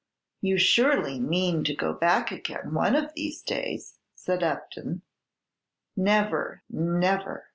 "You surely mean to go back again one of these days?" said Upton. "Never, never!"